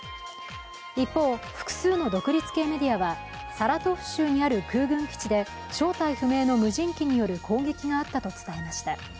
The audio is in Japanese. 一方、複数の独立系メディアはサラトフ州にある空軍基地で正体不明の無人機による攻撃があったと伝えました。